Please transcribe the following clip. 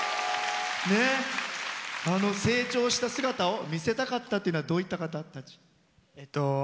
成長した姿を見せたかったというのはどういった方たち？